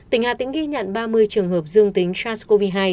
tỉnh hà tĩnh ghi nhận ba mươi trường hợp dương tính sars cov hai